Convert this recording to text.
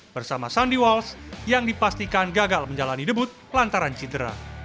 bersama sandy walsh yang dipastikan gagal menjalani debut lantaran cidra